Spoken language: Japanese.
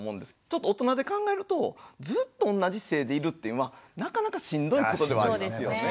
ちょっと大人で考えるとずっと同じ姿勢でいるっていうのはなかなかしんどいことではありますよね。